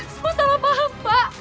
semua masalah paham pak